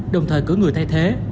đồng thời cử người thay thế